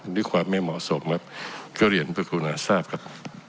หรือความไม่เหมาะสมก็เหรียญประคุณาทราบครับ